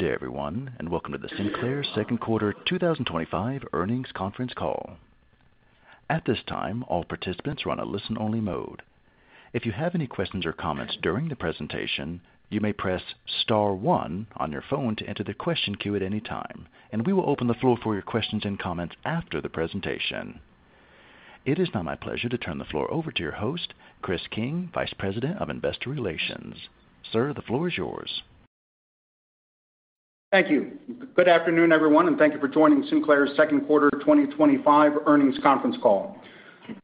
Good day, everyone, and welcome to the Sinclair Second Quarter 2025 Earnings Conference Call. At this time, all participants are on a listen-only mode. If you have any questions or comments during the presentation, you may press Star, one on your phone to enter the question queue at any time, and we will open the floor for your questions and comments after the presentation. It is now my pleasure to turn the floor over to your host, Chris King, Vice President of Investor Relations. Sir, the floor is yours. Thank you. Good afternoon, everyone, and thank you for joining Sinclair Inc.'s second quarter 2025 earnings conference call.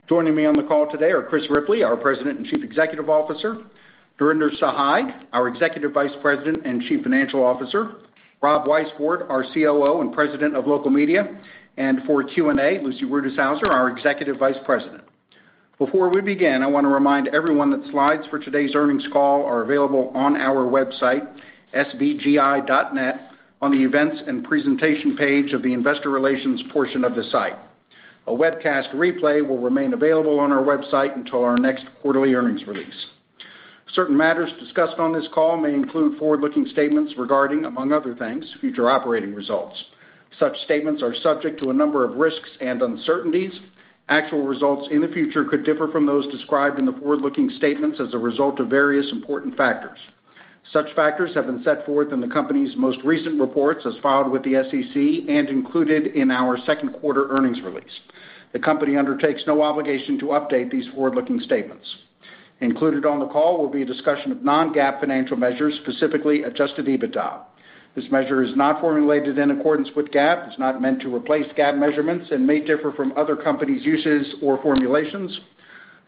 Joining me on the call today are Chris Ripley, our President and Chief Executive Officer; Narinder Sahai, our Executive Vice President and Chief Financial Officer; Rob Weisbord, our COO and President of Local Media; and for Q&A, Lucy Rutishauser, our Executive Vice President. Before we begin, I want to remind everyone that slides for today's earnings call are available on our website, sbgi.net, on the events and presentation page of the Investor Relations portion of the site. A webcast replay will remain available on our website until our next quarterly earnings release. Certain matters discussed on this call may include forward-looking statements regarding, among other things, future operating results. Such statements are subject to a number of risks and uncertainties. Actual results in the future could differ from those described in the forward-looking statements as a result of various important factors. Such factors have been set forth in the company's most recent reports as filed with the SEC and included in our second quarter earnings release. The company undertakes no obligation to update these forward-looking statements. Included on the call will be a discussion of non-GAAP financial measures, specifically adjusted EBITDA. This measure is not formulated in accordance with GAAP, is not meant to replace GAAP measurements, and may differ from other companies' uses or formulations.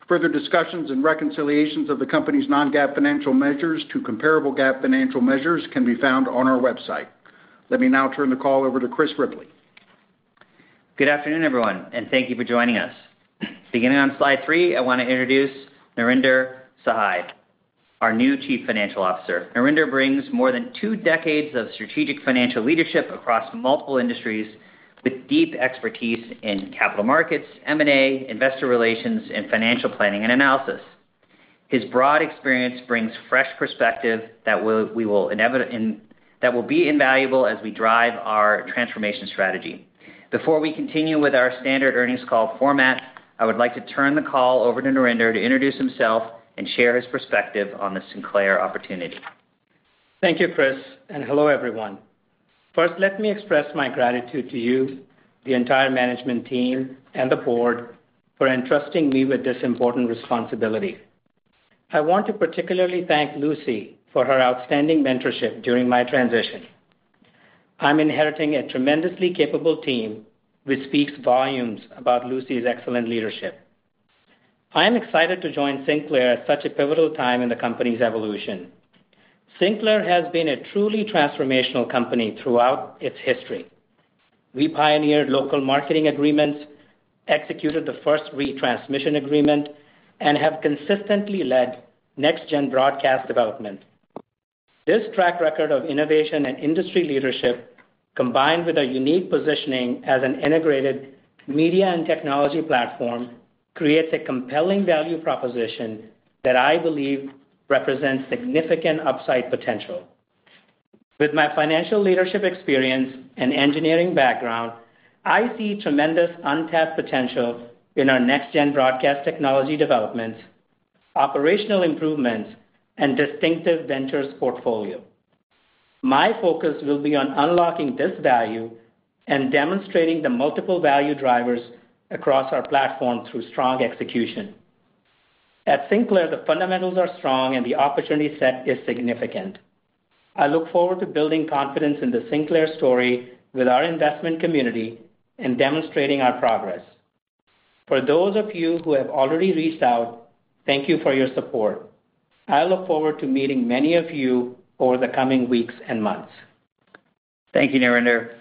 Further discussions and reconciliations of the company's non-GAAP financial measures to comparable GAAP financial measures can be found on our website. Let me now turn the call over to Chris Ripley. Good afternoon, everyone, and thank you for joining us. Beginning on slide three, I want to introduce Narinder Sahai, our new Chief Financial Officer. Narinder brings more than two decades of strategic financial leadership across multiple industries with deep expertise in capital markets, M&A, investor relations, and financial planning and analysis. His broad experience brings fresh perspective that will be invaluable as we drive our transformation strategy. Before we continue with our standard earnings call format, I would like to turn the call over to Narinder to introduce himself and share his perspective on the Sinclair opportunity. Thank you, Chris, and hello, everyone. First, let me express my gratitude to you, the entire management team, and the board for entrusting me with this important responsibility. I want to particularly thank Lucy for her outstanding mentorship during my transition. I'm inheriting a tremendously capable team, which speaks volumes about Lucy's excellent leadership. I am excited to join Sinclair at such a pivotal time in the company's evolution. Sinclair has been a truly transformational company throughout its history. We pioneered local marketing agreements, executed the first re-transmission agreement, and have consistently led next-gen broadcast development. This track record of innovation and industry leadership, combined with our unique positioning as an integrated media and technology platform, creates a compelling value proposition that I believe represents significant upside potential. With my financial leadership experience and engineering background, I see tremendous untapped potential in our next-gen broadcast technology developments, operational improvements, and distinctive Ventures portfolio. My focus will be on unlocking this value and demonstrating the multiple value drivers across our platform through strong execution. At Sinclair, the fundamentals are strong and the opportunity set is significant. I look forward to building confidence in the Sinclair story with our investment community and demonstrating our progress. For those of you who have already reached out, thank you for your support. I look forward to meeting many of you over the coming weeks and months. Thank you, Narinder.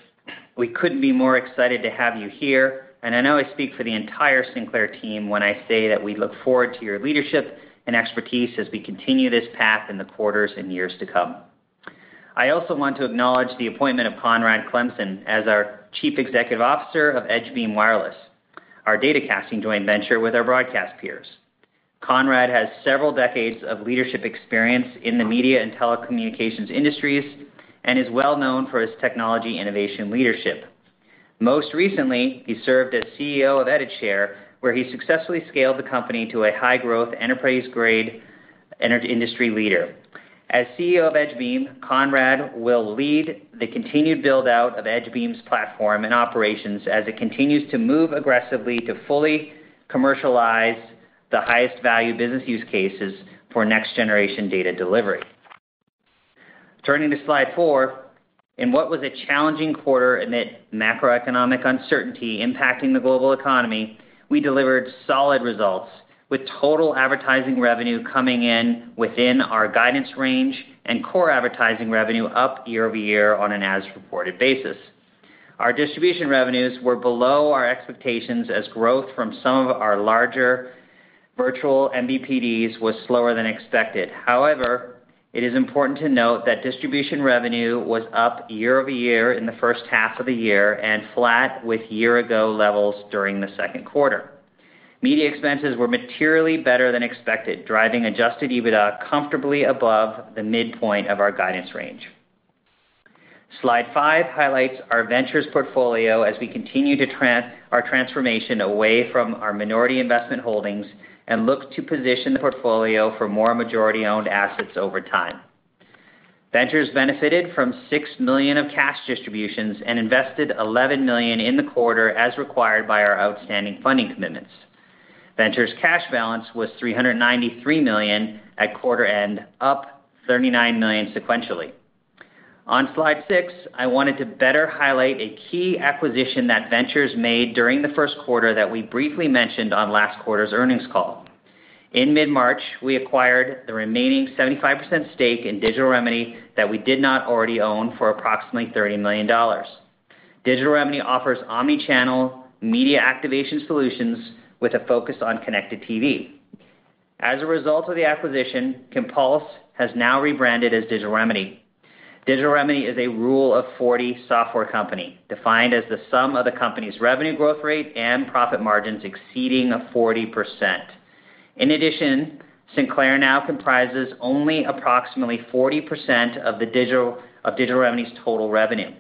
We couldn't be more excited to have you here, and I know I speak for the entire Sinclair team when I say that we look forward to your leadership and expertise as we continue this path in the quarters and years to come. I also want to acknowledge the appointment of Conrad Clemson as our Chief Executive Officer of EdgeBeam Wireless, our data-casting joint venture with our broadcast peers. Conrad has several decades of leadership experience in the media and telecommunications industries and is well known for his technology innovation leadership. Most recently, he served as CEO of EditShare, where he successfully scaled the company to a high-growth enterprise-grade energy industry leader. As CEO of EdgeBeam, Conrad will lead the continued build-out of EdgeBeam's platform and operations as it continues to move aggressively to fully commercialize the highest value business use cases for next-generation data delivery. Turning to slide four, in what was a challenging quarter amid macro-economic uncertainty impacting the global economy, we delivered solid results with total advertising revenue coming in within our guidance range and core advertising revenue up year-over-year on an as-reported basis. Our distribution revenues were below our expectations as growth from some of our larger virtual MVPDs was slower than expected. However, it is important to note that distribution revenue was up year-over-year in the first half of the year and flat with year-ago levels during the second quarter. Media expenses were materially better than expected, driving adjusted EBITDA comfortably above the midpoint of our guidance range. Slide five highlights our Ventures portfolio as we continue to track our transformation away from our minority investment holdings and look to position the portfolio for more majority-owned assets over time. Ventures benefited from $6 million of cash distributions and invested $11 million in the quarter as required by our outstanding funding commitments. Ventures' cash balance was $393 million at quarter end, up $39 million sequentially. On slide six, I wanted to better highlight a key acquisition that Ventures made during the first quarter that we briefly mentioned on last quarter's earnings call. In mid-March, we acquired the remaining 75% stake in Digital Remedy that we did not already own for approximately $30 million. Digital Remedy offers omnichannel media activation solutions with a focus on connected TV. As a result of the acquisition, Compulse has now rebranded as Digital Remedy. Digital Remedy is a rule-of-40 software company defined as the sum of the company's revenue growth rate and profit margins exceeding 40%. In addition, Sinclair now comprises only approximately 40% of Digital Remedy's total revenue,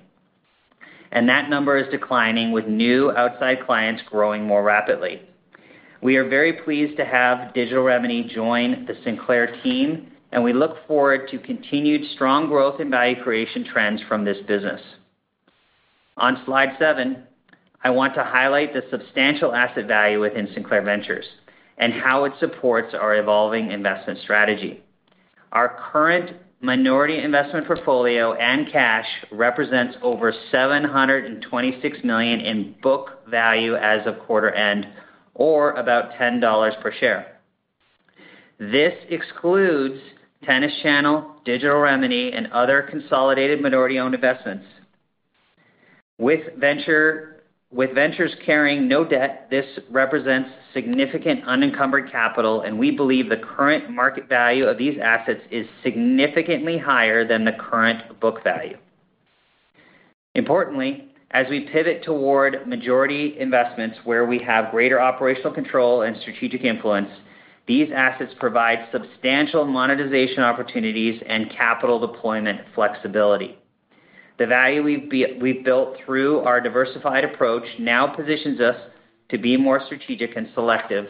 and that number is declining with new outside clients growing more rapidly. We are very pleased to have Digital Remedy join the Sinclair team, and we look forward to continued strong growth and value creation trends from this business. On slide seven, I want to highlight the substantial asset value within Sinclair Ventures and how it supports our evolving investment strategy. Our current minority investment portfolio and cash represents over $726 million in book value as of quarter end, or about $10 per share. This excludes Tennis Channel, Digital Remedy, and other consolidated minority-owned investments. With Ventures carrying no debt, this represents significant unencumbered capital, and we believe the current market value of these assets is significantly higher than the current book value. Importantly, as we pivot toward majority investments where we have greater operational control and strategic influence, these assets provide substantial monetization opportunities and capital deployment flexibility. The value we've built through our diversified approach now positions us to be more strategic and selective,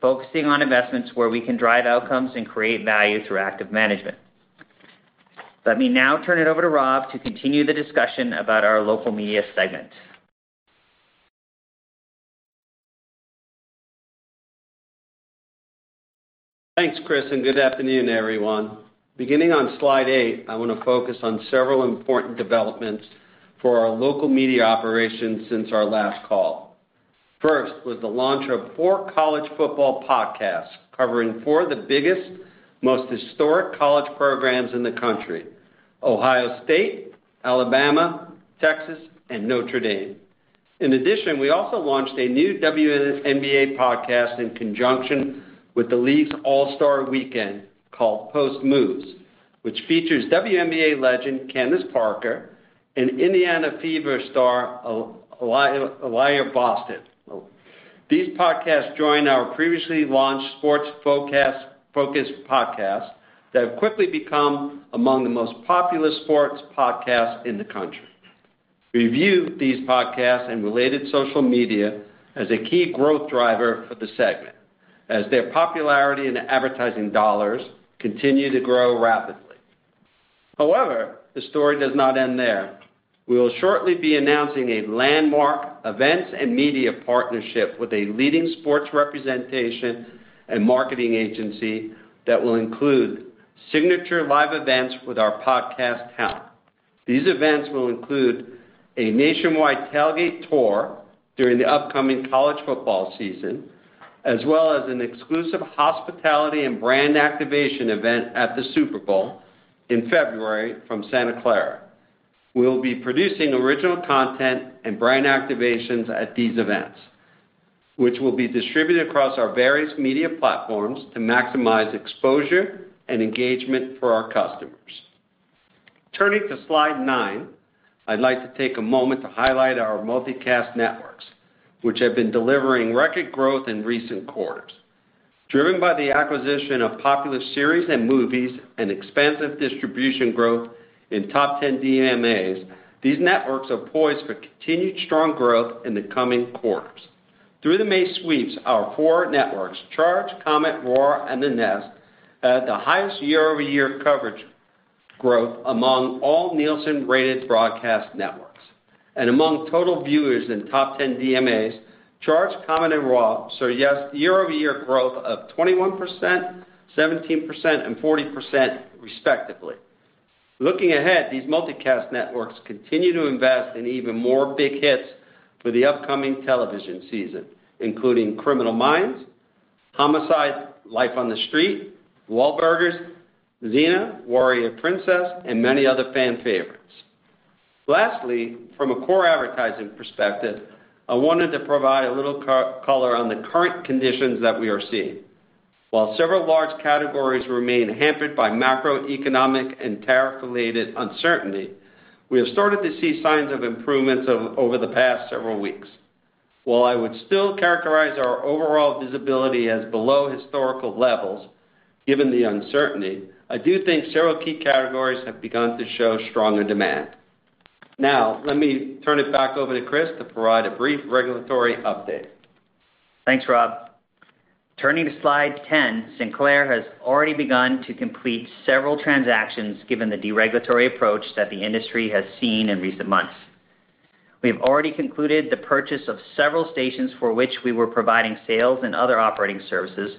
focusing on investments where we can drive outcomes and create value through active management. Let me now turn it over to Rob to continue the discussion about our local media segment. Thanks, Chris, and good afternoon, everyone. Beginning on slide eight, I want to focus on several important developments for our Local Media operations since our last call. First was the launch of four college football podcasts covering four of the biggest, most historic college programs in the country: Ohio State, Alabama, Texas, and Notre Dame. In addition, we also launched a new WNBA podcast in conjunction with the league's All-Star weekend called Post Moves, which features WNBA legend Candace Parker and Indiana Fever star Aliyah Boston. These podcasts join our previously launched Sports Focus podcasts that have quickly become among the most popular sports podcasts in the country. We view these podcasts and related social media as a key growth driver for the segment, as their popularity and advertising dollars continue to grow rapidly. However, the story does not end there. We will shortly be announcing a landmark events and media partnership with a leading sports representation and marketing agency that will include signature live events with our podcast talent. These events will include a nationwide tailgate tour during the upcoming college football season, as well as an exclusive hospitality and brand activation event at the Super Bowl in February from Santa Clara. We will be producing original content and brand activations at these events, which will be distributed across our various media platforms to maximize exposure and engagement for our customers. Turning to slide nine, I'd like to take a moment to highlight our multicast networks, which have been delivering record growth in recent quarters. Driven by the acquisition of popular series and movies and expansive distribution growth in top 10 DMAs, these networks are poised for continued strong growth in the coming quarters. Through the May sweeps, our four networks, Charge, Comet, Roar, and The Nest, had the highest year-over-year coverage growth among all Nielsen-rated broadcast networks. Among total viewers in top 10 DMAs, Charge, Comet, and Roar saw year-over-year growth of 21%, 17%, and 40% respectively. Looking ahead, these multicast networks continue to invest in even more big hits for the upcoming television season, including Criminal Minds, Homicide: Life on the Street, Wahlburgers, Xena: Warrior Princess, and many other fan favorites. Lastly, from a core advertising perspective, I wanted to provide a little color on the current conditions that we are seeing. While several large categories remain hampered by macro-economic and tariff-related uncertainty, we have started to see signs of improvements over the past several weeks. While I would still characterize our overall visibility as below historical levels, given the uncertainty, I do think several key categories have begun to show stronger demand. Now, let me turn it back over to Chris to provide a brief regulatory update. Thanks, Rob. Turning to slide 10, Sinclair has already begun to complete several transactions given the deregulatory approach that the industry has seen in recent months. We have already concluded the purchase of several stations for which we were providing sales and other operating services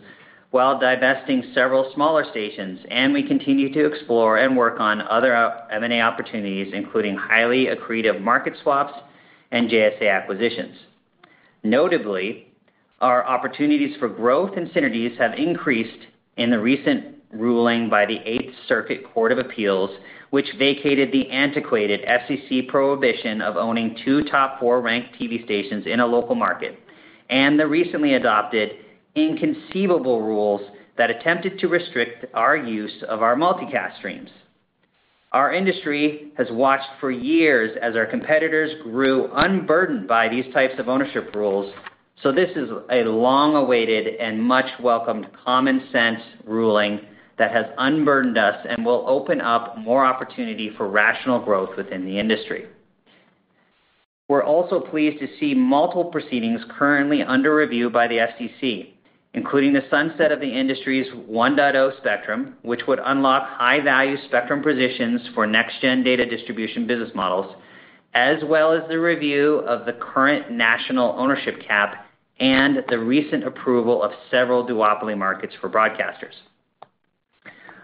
while divesting several smaller stations, and we continue to explore and work on other M&A opportunities, including highly accretive market swaps and JSA acquisitions. Notably, our opportunities for growth and synergies have increased in the recent ruling by the Eighth Circuit Court, which vacated the antiquated SEC prohibition of owning two top four-ranked TV stations in a local market, and the recently adopted inconceivable rules that attempted to restrict our use of our multicast streams. Our industry has watched for years as our competitors grew unburdened by these types of ownership rules, so this is a long-awaited and much-welcomed common sense ruling that has unburdened us and will open up more opportunity for rational growth within the industry. We're also pleased to see multiple proceedings currently under review by the SEC, including the sunset of the industry's 1.0 spectrum, which would unlock high-value spectrum positions for next-gen data distribution business models, as well as the review of the current national ownership cap and the recent approval of several duopoly markets for broadcasters.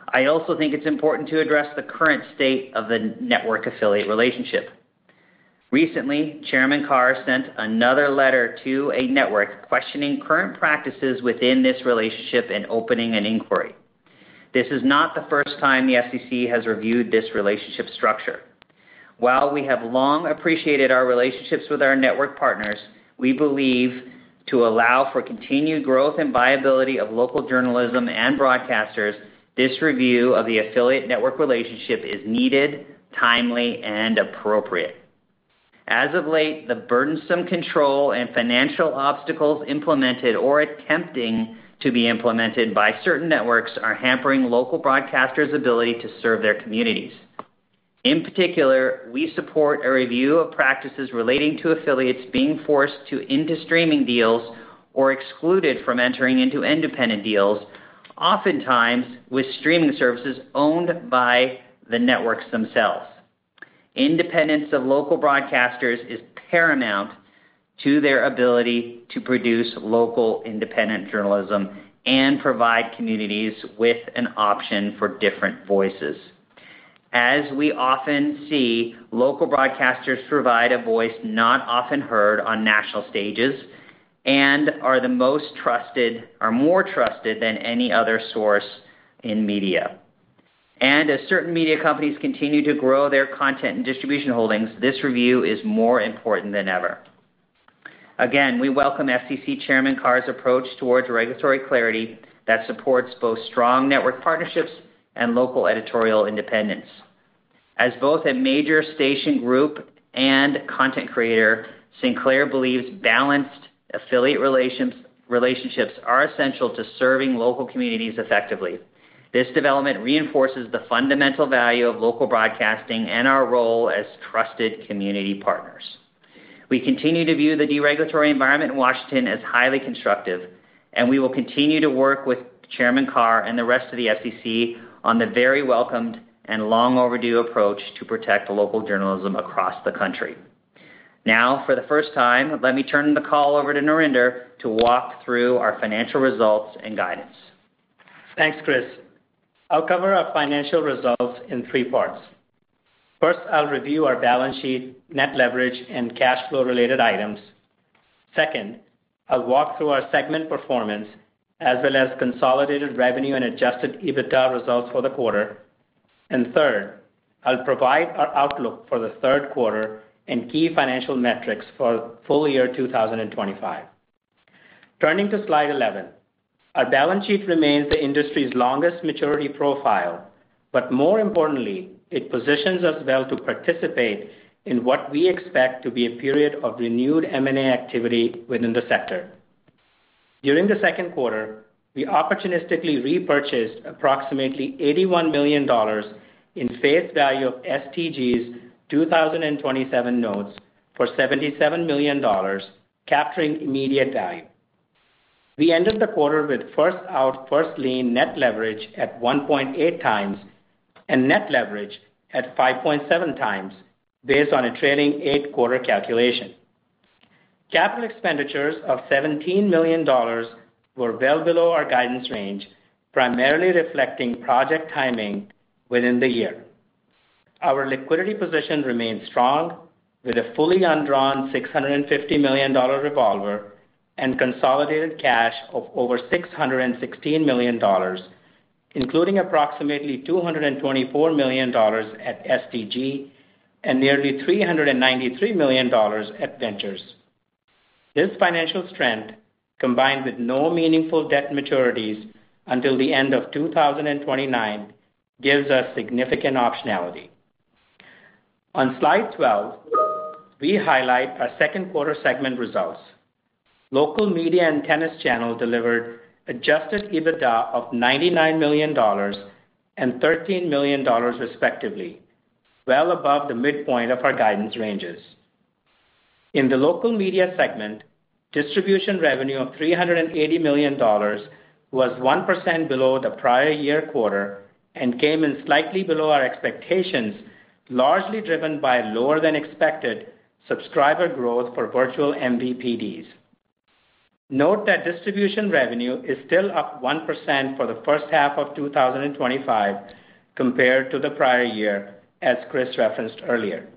I also think it's important to address the current state of the network-affiliate relationship. Recently, Chairman Carr sent another letter to a network questioning current practices within this relationship and opening an inquiry. This is not the first time the SEC has reviewed this relationship structure. While we have long appreciated our relationships with our network partners, we believe to allow for continued growth and viability of local journalism and broadcasters, this review of the affiliate network relationship is needed, timely, and appropriate. As of late, the burdensome control and financial obstacles implemented or attempting to be implemented by certain networks are hampering local broadcasters' ability to serve their communities. In particular, we support a review of practices relating to affiliates being forced to end streaming deals or excluded from entering into independent deals, oftentimes with streaming services owned by the networks themselves. Independence of local broadcasters is paramount to their ability to produce local independent journalism and provide communities with an option for different voices. As we often see, local broadcasters provide a voice not often heard on national stages and are the most trusted, are more trusted than any other source in media. As certain media companies continue to grow their content and distribution holdings, this review is more important than ever. We welcome SEC Chairman Carr's approach towards regulatory clarity that supports both strong network partnerships and local editorial independence. As both a major station group and content creator, Sinclair Inc. believes balanced affiliate relationships are essential to serving local communities effectively. This development reinforces the fundamental value of local broadcasting and our role as trusted community partners. We continue to view the deregulatory environment in Washington as highly constructive, and we will continue to work with Chairman Carr and the rest of the SEC on the very welcomed and long-overdue approach to protect local journalism across the country. Now, for the first time, let me turn the call over to Narinder to walk through our financial results and guidance. Thanks, Chris. I'll cover our financial results in three parts. First, I'll review our balance sheet, net leverage, and cash flow-related items. Second, I'll walk through our segment performance, as well as consolidated revenue and adjusted EBITDA results for the quarter. Third, I'll provide our outlook for the third quarter and key financial metrics for full year 2025. Turning to slide 11, our balance sheet remains the industry's longest maturity profile, but more importantly, it positions us well to participate in what we expect to be a period of renewed M&A activity within the sector. During the second quarter, we opportunistically repurchased approximately $81 million in face value of STG's 2027 notes for $77 million, capturing immediate value. We ended the quarter with first out, first lien net leverage at 1.8x and net leverage at 5.7x, based on a trailing eight-quarter calculation. Capital expenditures of $17 million were well below our guidance range, primarily reflecting project timing within the year. Our liquidity position remains strong, with a fully undrawn $650 million revolver and consolidated cash of over $616 million, including approximately $224 million at STG and nearly $393 million at Ventures. This financial strength, combined with no meaningful debt maturities until the end of 2029, gives us significant optionality. On slide 12, we highlight our second quarter segment results. Local Media and Tennis Channel delivered adjusted EBITDA of $99 million and $13 million, respectively, well above the midpoint of our guidance ranges. In the Local Media segment, distribution revenue of $380 million was 1% below the prior year quarter and came in slightly below our expectations, largely driven by lower-than-expected subscriber growth for virtual MVPDs. Note that distribution revenue is still up 1% for the first half of 2025 compared to the prior year, as Chris referenced earlier.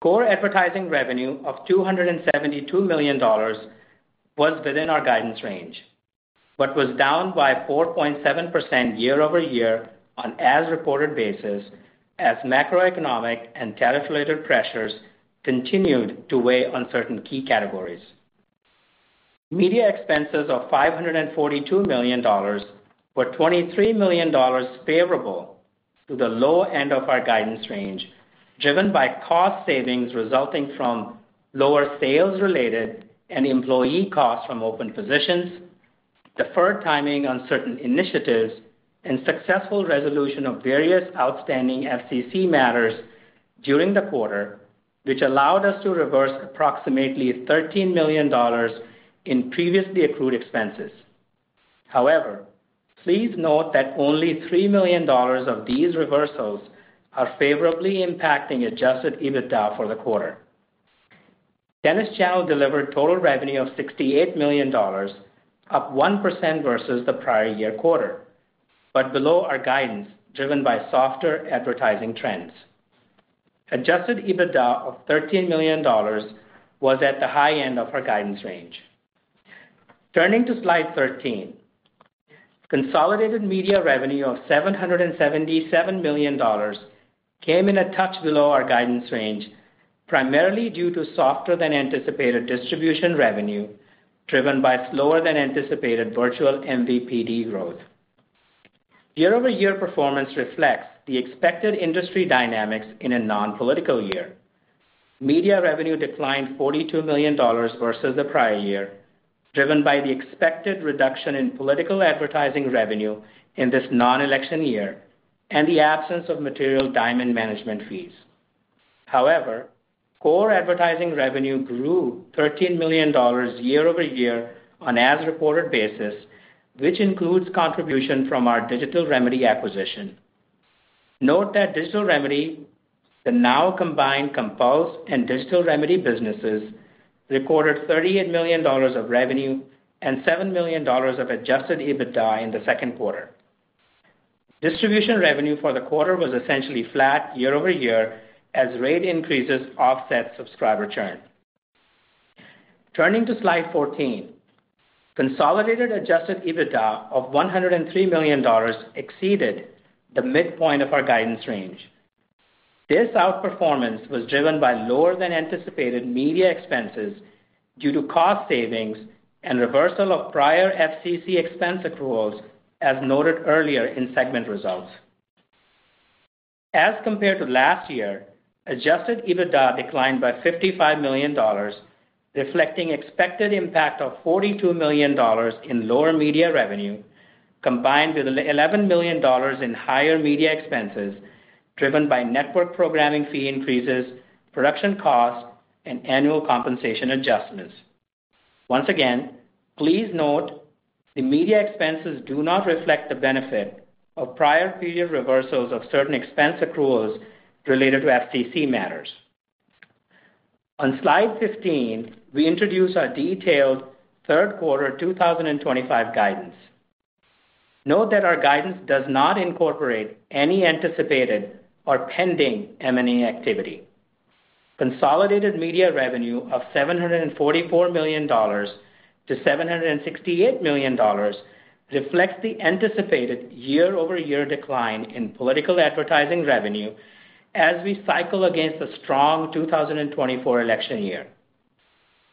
Core advertising revenue of $272 million was within our guidance range, but was down by 4.7% year-over-year on an as-reported basis, as macro-economic and tariff-related pressures continued to weigh on certain key categories. Media expenses of $542 million were $23 million favorable to the lower end of our guidance range, driven by cost savings resulting from lower sales-related and employee costs from open positions, deferred timing on certain initiatives, and successful resolution of various outstanding SEC matters during the quarter, which allowed us to reverse approximately $13 million in previously accrued expenses. However, please note that only $3 million of these reversals are favorably impacting adjusted EBITDA for the quarter. Tennis Channel delivered total revenue of $68 million, up 1% versus the prior year quarter, but below our guidance, driven by softer advertising trends. Adjusted EBITDA of $13 million was at the high end of our guidance range. Turning to slide 13, consolidated media revenue of $777 million came in a touch below our guidance range, primarily due to softer-than-anticipated distribution revenue driven by lower-than-anticipated virtual MVPD growth. Year-over-year performance reflects the expected industry dynamics in a non-political year. Media revenue declined $42 million versus the prior year, driven by the expected reduction in political advertising revenue in this non-election year and the absence of material diamond management fees. However, core advertising revenue grew $13 million year-over-year on an as-reported basis, which includes contribution from our Digital Remedy acquisition. Note that Digital Remedy, the now combined Compulse and Digital Remedy businesses, recorded $38 million of revenue and $7 million of adjusted EBITDA in the second quarter. Distribution revenue for the quarter was essentially flat year-over-year as rate increases offset subscriber churn. Turning to slide 14, consolidated adjusted EBITDA of $103 million exceeded the midpoint of our guidance range. This outperformance was driven by lower-than-anticipated media expenses due to cost savings and reversal of prior SEC expense accruals, as noted earlier in segment results. As compared to last year, adjusted EBITDA declined by $55 million, reflecting an expected impact of $42 million in lower media revenue, combined with $11 million in higher media expenses driven by network programming fee increases, production costs, and annual compensation adjustments. Once again, please note the media expenses do not reflect the benefit of prior two-year reversals of certain expense accruals related to SEC matters. On slide 15, we introduce our detailed third quarter 2025 guidance. Note that our guidance does not incorporate any anticipated or pending M&A activity. Consolidated media revenue of $744 million-$768 million reflects the anticipated year-over-year decline in political advertising revenue as we cycle against a strong 2024 election year.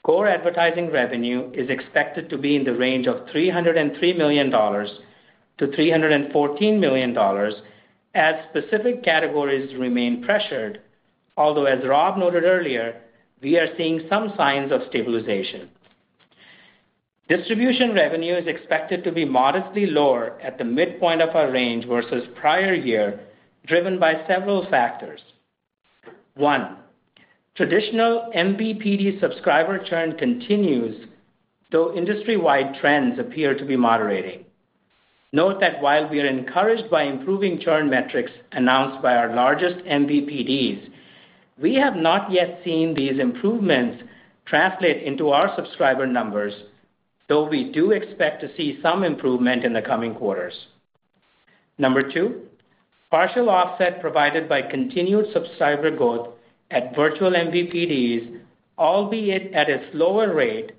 Core advertising revenue is expected to be in the range of $303 million-$314 million as specific categories remain pressured, although as Rob noted earlier, we are seeing some signs of stabilization. Distribution revenue is expected to be modestly lower at the midpoint of our range versus prior year, driven by several factors. One, traditional MVPD subscriber churn continues, though industry-wide trends appear to be moderating. Note that while we are encouraged by improving churn metrics announced by our largest MVPDs, we have not yet seen these improvements translate into our subscriber numbers, though we do expect to see some improvement in the coming quarters. Number two, partial offset provided by continued subscriber growth at virtual MVPDs, albeit at a slower rate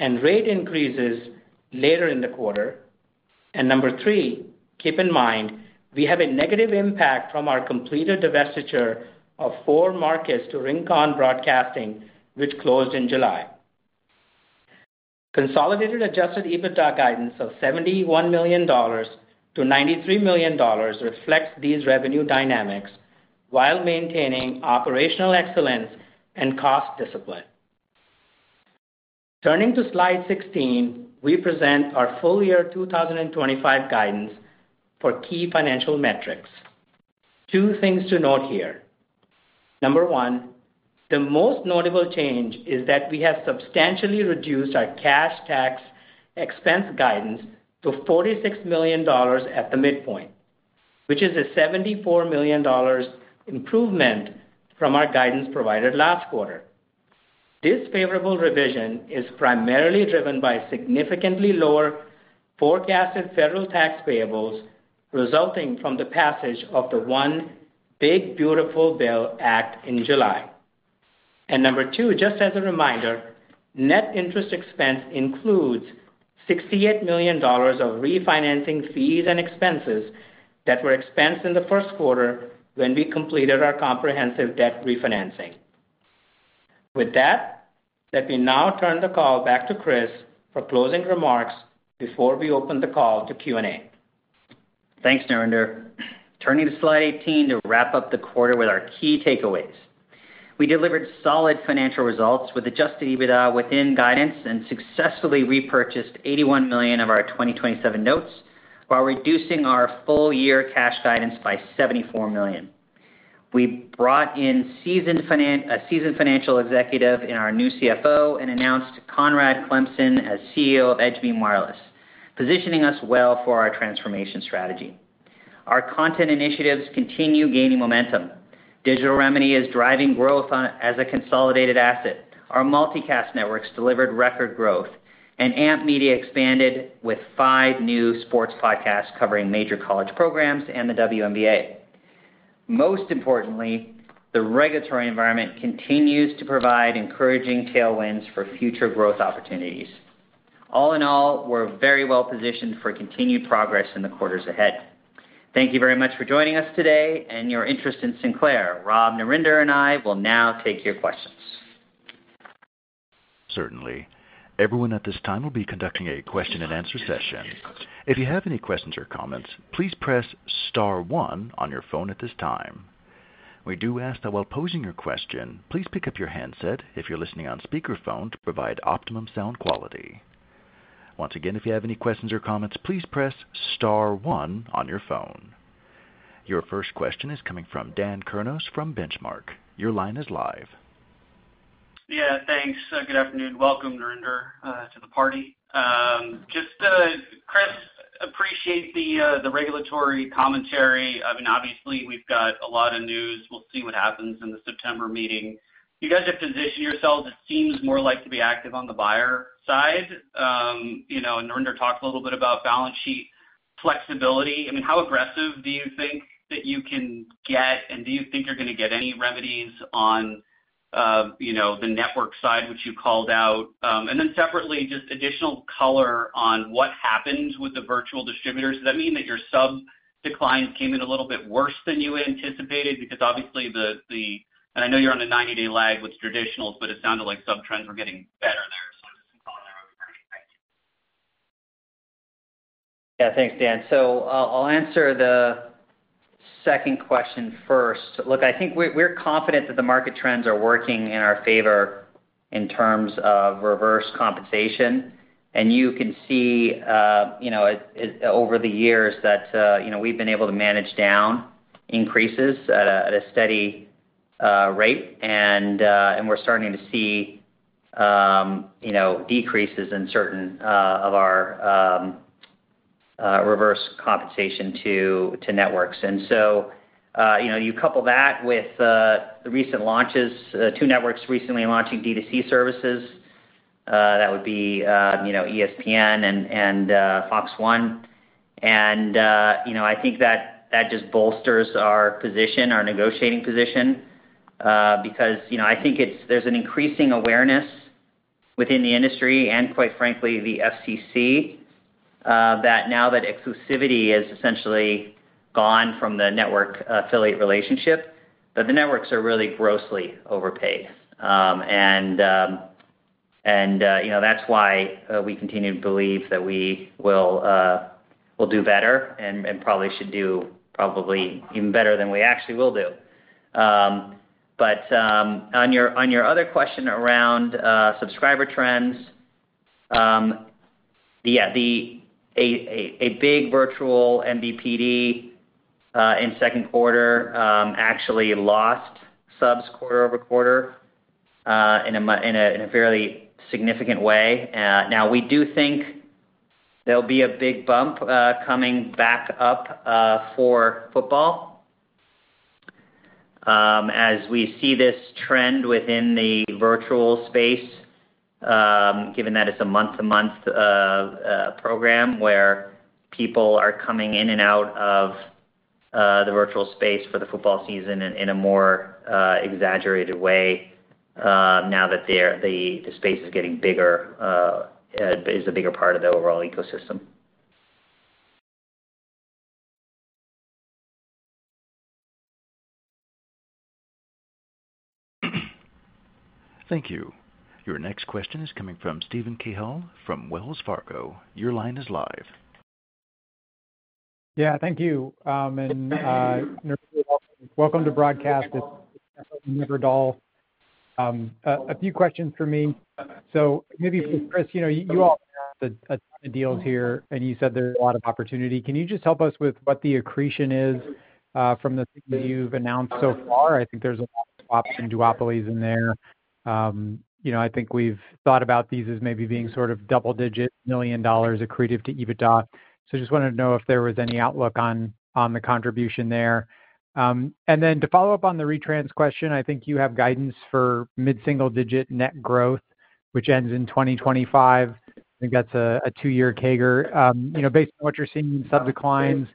and rate increases later in the quarter. Number three, keep in mind we have a negative impact from our completed divestiture of four markets to Rincon Broadcasting, which closed in July. Consolidated adjusted EBITDA guidance of $71 million-$93 million reflects these revenue dynamics while maintaining operational excellence and cost discipline. Turning to slide 16, we present our full-year 2025 guidance for key financial metrics. Two things to note here. Number one, the most notable change is that we have substantially reduced our cash tax expense guidance to $46 million at the midpoint, which is a $74 million improvement from our guidance provided last quarter. This favorable revision is primarily driven by significantly lower forecasted federal tax payables resulting from the passage of the One Big Beautiful Bill Act in July. Number two, just as a reminder, net interest expense includes $68 million of refinancing fees and expenses that were expensed in the first quarter when we completed our comprehensive debt refinancing. With that, let me now turn the call back to Chris for closing remarks before we open the call to Q&A. Thanks, Narinder. Turning to slide 18 to wrap up the quarter with our key takeaways. We delivered solid financial results with adjusted EBITDA within guidance and successfully repurchased $81 million of our 2027 notes while reducing our full-year cash guidance by $74 million. We brought in a seasoned financial executive in our new CFO and announced Conrad Clemson as CEO of EdgeBeam Wireless, positioning us well for our transformation strategy. Our content initiatives continue gaining momentum. Digital Remedy is driving growth as a consolidated asset. Our multicast networks delivered record growth, and AMP Media expanded with five new sports podcasts covering major college programs and the WNBA. Most importantly, the regulatory environment continues to provide encouraging tailwinds for future growth opportunities. All in all, we're very well positioned for continued progress in the quarters ahead. Thank you very much for joining us today and your interest in Sinclair. Rob, Narinder, and I will now take your questions. Certainly. Everyone, at this time we will be conducting a question-and-answer session. If you have any questions or comments, please press Star, one on your phone at this time. We do ask that while posing your question, please pick up your handset if you're listening on speakerphone to provide optimum sound quality. Once again, if you have any questions or comments, please press Star, one on your phone. Your first question is coming from Dan Kurnos from Benchmark. Your line is live. Yeah, thanks. Good afternoon. Welcome, Narinder, to the party. Chris, appreciate the regulatory commentary. Obviously, we've got a lot of news. We'll see what happens in the September meeting. You guys have positioned yourselves, it seems, more to be active on the buyer side. Narinder talked a little bit about balance sheet flexibility. How aggressive do you think that you can get, and do you think you're going to get any remedies on the network side, which you called out? Separately, just additional color on what happened with the virtual distributors. Does that mean that your sub declines came in a little bit worse than you anticipated? Obviously, I know you're on a 90-day lag with traditionals, but it sounded like sub trends were getting better there. Yeah, thanks, Dan. I'll answer the second question first. I think we're confident that the market trends are working in our favor in terms of reverse compensation. You can see over the years that we've been able to manage down increases at a steady rate, and we're starting to see decreases in certain of our reverse compensation to networks. You couple that with the recent launches, two networks recently launching D2C services. That would be ESPN and Fox One. I think that just bolsters our position, our negotiating position, because I think there's an increasing awareness within the industry and, quite frankly, the SEC that now that exclusivity is essentially gone from the network affiliate relationship, the networks are really grossly overpaid. That's why we continue to believe that we will do better and probably should do probably even better than we actually will do. On your other question around subscriber trends, a big virtual MVPD in second quarter actually lost subs quarter-over-quarter in a fairly significant way. We do think there'll be a big bump coming back up for football as we see this trend within the virtual space, given that it's a month-to-month program where people are coming in and out of the virtual space for the football season in a more exaggerated way now that the space is getting bigger, is a bigger part of the overall ecosystem. Thank you. Your next question is coming from Stephen Cahill from Wells Fargo. Your line is live. Yeah, thank you. Welcome to broadcast. It's a few questions for me. Maybe, Chris, you all have the deals here, and you said there's a lot of opportunity. Can you just help us with what the accretion is from the things you've announced so far? I think there's a lot of swaps and duopolies in there. I think we've thought about these as maybe being sort of double-digit million dollars accreted to EBITDA. I just wanted to know if there was any outlook on the contribution there. To follow up on the retrans question, I think you have guidance for mid-single-digit net growth, which ends in 2025. I think that's a two-year CAGR. Based on what you're seeing in sub declines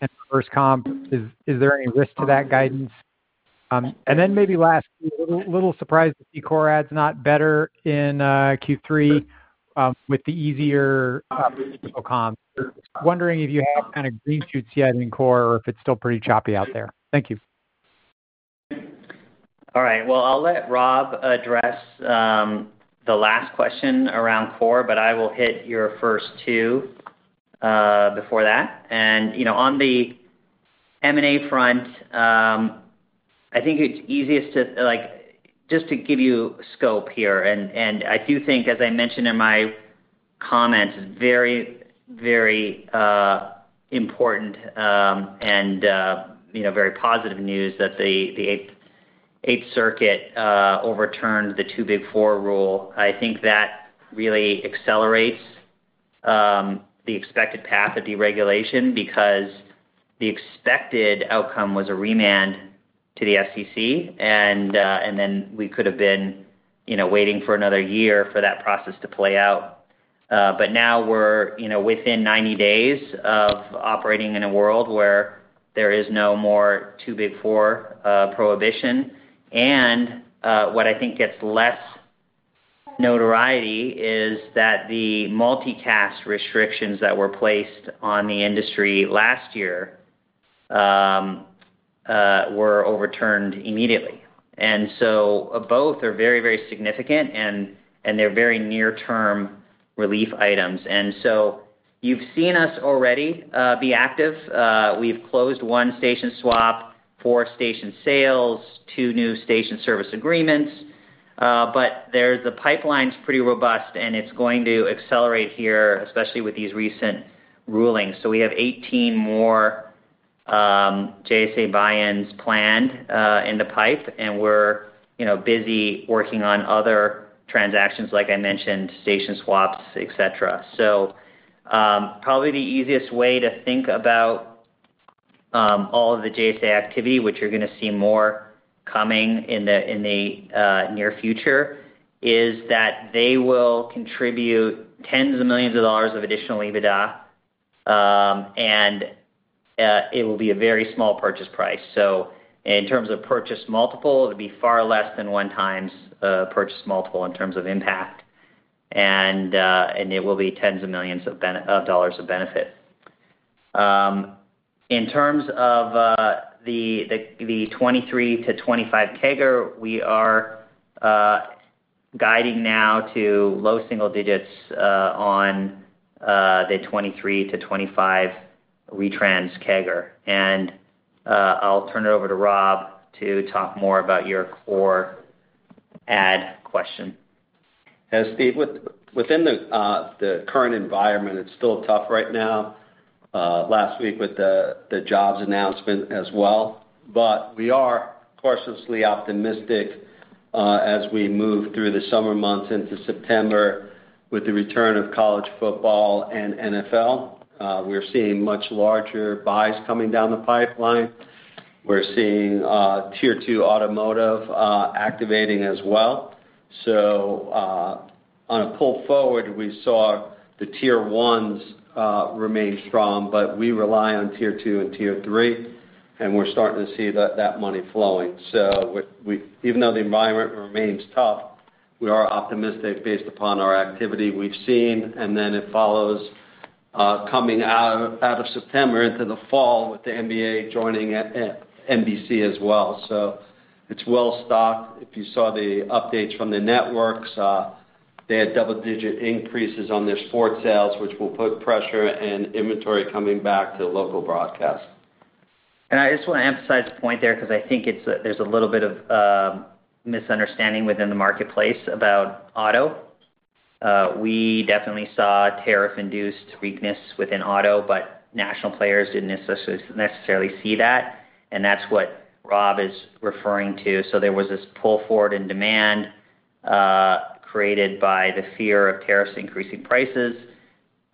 and reverse comp, is there any risk to that guidance? Last, a little surprised to see core ads not better in Q3 with the easier comp. Wondering if you have kind of green shoots yet in core or if it's still pretty choppy out there. Thank you. All right. I'll let Rob address the last question around core, but I will hit your first two before that. On the M&A front, I think it's easiest to just give you scope here. I do think, as I mentioned in my comments, it's very, very important and very positive news that the Eighth Circuit overturned the two big four rule. I think that really accelerates the expected path of deregulation because the expected outcome was a remand to the SEC, and then we could have been waiting for another year for that process to play out. Now we're within 90 days of operating in a world where there is no more two big four prohibition. What I think gets less notoriety is that the multicast restrictions that were placed on the industry last year were overturned immediately. Both are very, very significant, and they're very near-term relief items. You've seen us already be active. We've closed one station swap, four station sales, two new station service agreements. The pipeline's pretty robust, and it's going to accelerate here, especially with these recent rulings. We have 18 more JSA buy-ins planned in the pipe, and we're busy working on other transactions, like I mentioned, station swaps, etc.. Probably the easiest way to think about all of the JSA activity, which you're going to see more coming in the near future, is that they will contribute tens of millions of dollars of additional EBITDA and it will be a very small purchase price. In terms of purchase multiple, it'll be far less than 1x purchase multiple in terms of impact. It will be tens of millions of dollars of benefit. In terms of the 2023-2025 CAGR, we are guiding now to low single digits on the 2023-2025 retrans CAGR. I'll turn it over to Rob to talk more about your core ad question. Within the current environment, it's still tough right now. Last week with the jobs announcement as well. We are cautiously optimistic as we move through the summer months into September with the return of college football and NFL. We're seeing much larger buys coming down the pipeline. We're seeing Tier 2 automotive activating as well. On a pull forward, we saw the Tier 1s remain strong, but we rely on Tier 2 and Tier 3, and we're starting to see that money flowing. Even though the environment remains tough, we are optimistic based upon our activity we've seen. It follows coming out of September into the fall with the NBA joining NBC as well. It's well stocked. If you saw the updates from the networks, they had double-digit increases on their sport sales, which will put pressure and inventory coming back to local broadcasts. I just want to emphasize a point there because I think there's a little bit of misunderstanding within the marketplace about auto. We definitely saw tariff-induced weakness within auto, but national players didn't necessarily see that. That's what Rob is referring to. There was this pull forward in demand created by the fear of tariffs increasing prices.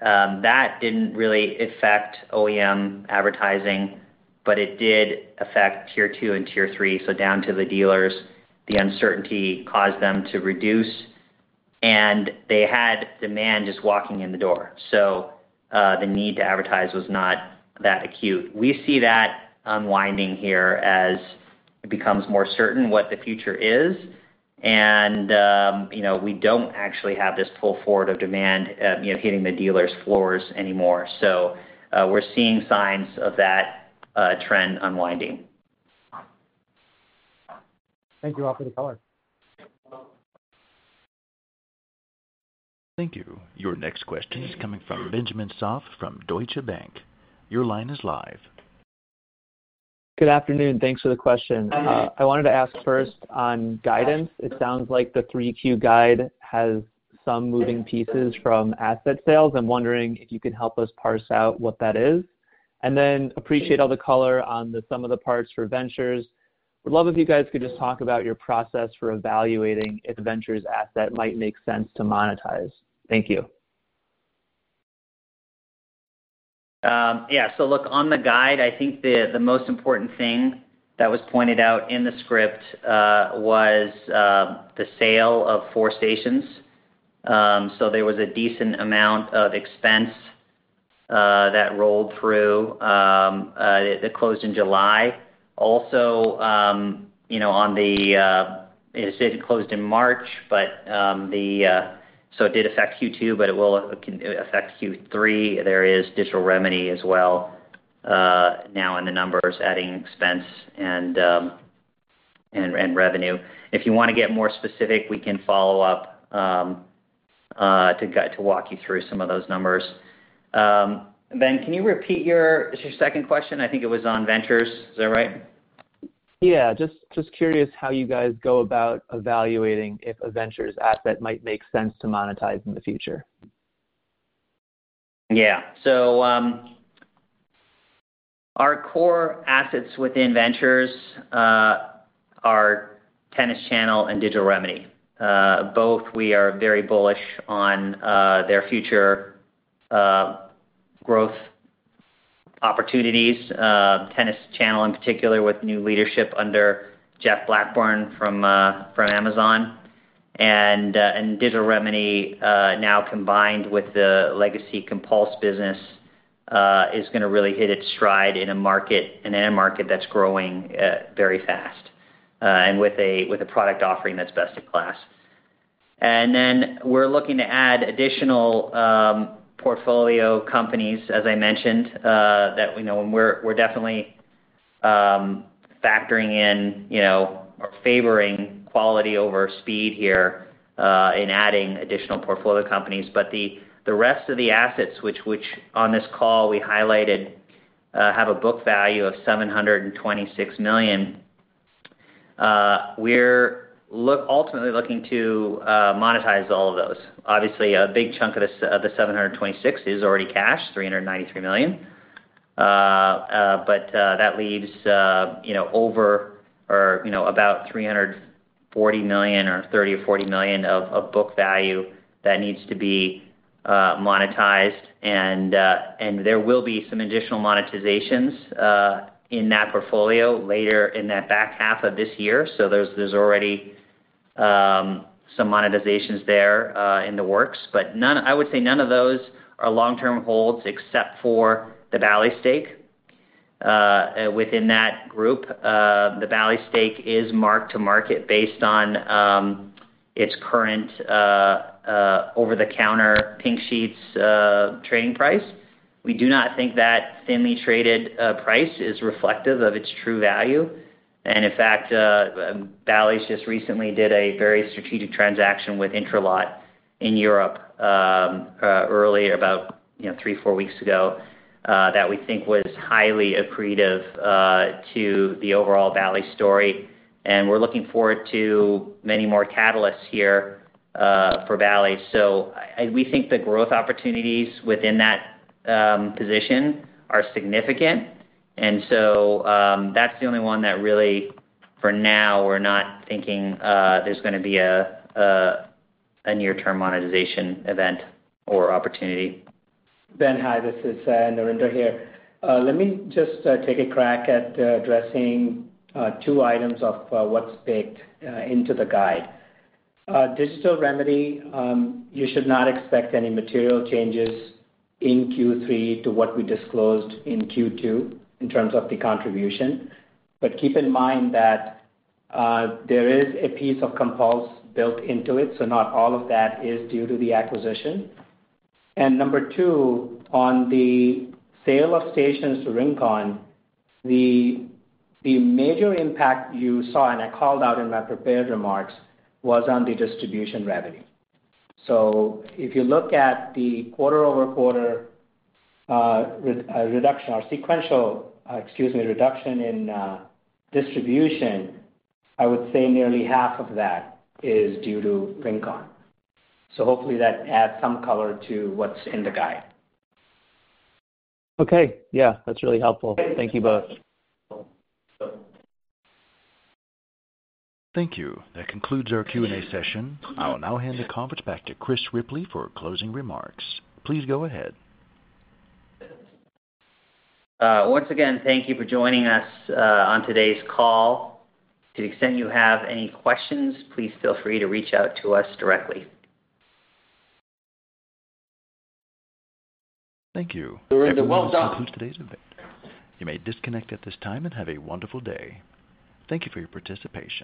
That didn't really affect OEM advertising, but it did affect Tier 2 and Tier 3. Down to the dealers, the uncertainty caused them to reduce, and they had demand just walking in the door. The need to advertise was not that acute. We see that unwinding here as it becomes more certain what the future is. We don't actually have this pull forward of demand hitting the dealers' floors anymore. We're seeing signs of that trend unwinding. Thank you all for the color. Thank you. Your next question is coming from Benjamin Soff from Deutsche Bank. Your line is live. Good afternoon. Thanks for the question. I wanted to ask first on guidance. It sounds like the 3Q guide has some moving pieces from asset sales. I'm wondering if you can help us parse out what that is. I appreciate all the color on some of the parts for Ventures. Would love if you guys could just talk about your process for evaluating if a Ventures asset might make sense to monetize. Thank you. Yeah, look, on the guide, I think the most important thing that was pointed out in the script was the sale of four stations. There was a decent amount of expense that rolled through that closed in July. Also, it said it closed in March, so it did affect Q2, but it will affect Q3. There is Digital Remedy as well now in the numbers, adding expense and revenue. If you want to get more specific, we can follow up to walk you through some of those numbers. Ben, can you repeat your second question? I think it was on Ventures. Is that right? Yeah, just curious how you guys go about evaluating if a Ventures asset might make sense to monetize in the future. Yeah, so our core assets within Ventures are Tennis Channel and Digital Remedy. Both, we are very bullish on their future growth opportunities, Tennis Channel in particular with new leadership under Jeff Blackburn from Amazon. Digital Remedy, now combined with the legacy Compulse business, is going to really hit its stride in a market that's growing very fast and with a product offering that's best in class. We are looking to add additional portfolio companies, as I mentioned, that, you know, we're definitely factoring in, you know, or favoring quality over speed here in adding additional portfolio companies. The rest of the assets, which on this call we highlighted have a book value of $726 million, we're ultimately looking to monetize all of those. Obviously, a big chunk of the $726 million is already cash, $393 million. That leaves, you know, over or, you know, about $340 million or $30 million or $40 million of book value that needs to be monetized. There will be some additional monetizations in that portfolio later in the back half of this year. There's already some monetizations there in the works. I would say none of those are long-term holds except for the Bally's stake. Within that group, the Bally's stake is marked to market based on its current over-the-counter pink sheets trading price. We do not think that thinly traded price is reflective of its true value. In fact, Bally's just recently did a very strategic transaction with Intralote in Europe early, about, you know, three or four weeks ago that we think was highly accretive to the overall Bally's story. We are looking forward to many more catalysts here for Bally's. We think the growth opportunities within that position are significant. That's the only one that really, for now, we're not thinking there's going to be a near-term monetization event or opportunity. Ben, this is Narinder here. Let me just take a crack at addressing two items of what's baked into the guide. Digital Remedy, you should not expect any material changes in Q3 to what we disclosed in Q2 in terms of the contribution. Keep in mind that there is a piece of Compulse built into it, so not all of that is due to the acquisition. On the sale of stations to Rincon, the major impact you saw, and I called out in my prepared remarks, was on the distribution revenue. If you look at the quarter-over-quarter reduction or sequential, excuse me, reduction in distribution, I would say nearly half of that is due to Rincon. Hopefully that adds some color to what's in the guide. Okay, yeah, that's really helpful. Thank you both. Thank you. That concludes our Q&A session. I'll now hand the conference back to Chris Ripley for closing remarks. Please go ahead. Once again, thank you for joining us on today's call. To the extent you have any questions, please feel free to reach out to us directly. Thank you. This concludes today's event. You may disconnect at this time and have a wonderful day. Thank you for your participation.